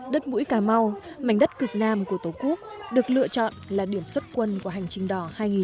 đất mũi cà mau mảnh đất cực nam của tổ quốc được lựa chọn là điểm xuất quân của hành trình đỏ hai nghìn một mươi chín